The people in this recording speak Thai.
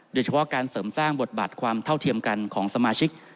โดยเฉพาะการเสริมสร้างบทบาทความเท่าเทียมกันของสมาชิก